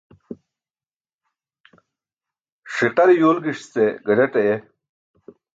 Ṣiqare yuwlgiṣ ce gazaṭ aye.